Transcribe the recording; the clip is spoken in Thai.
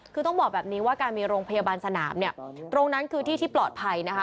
คือต้องบอกแบบนี้ว่าการมีโรงพยาบาลสนามเนี่ยตรงนั้นคือที่ที่ปลอดภัยนะคะ